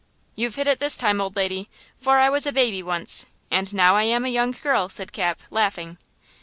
"You've hit it this time, old lady, for I was a baby once and now I am a young girl!" said Cap, laughing.